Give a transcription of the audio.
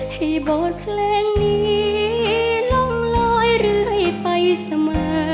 ให้บทเพลงนี้ลงลอยเรื่อยไปเสมอ